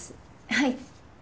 はい。